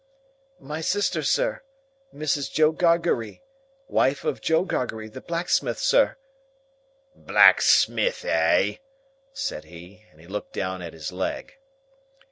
"My sister, sir,—Mrs. Joe Gargery,—wife of Joe Gargery, the blacksmith, sir." "Blacksmith, eh?" said he. And looked down at his leg.